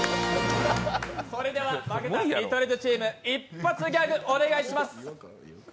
それでは負けた見取り図チーム一発ギャグをお願いします。